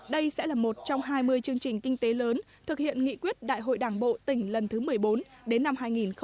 đây sẽ là một trong hai mươi chương trình kinh tế lớn thực hiện nghị quyết đại hội đảng bộ tỉnh lần thứ một mươi bốn đến năm hai nghìn hai mươi